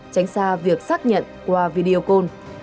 tránh xa việc xác nhận qua video call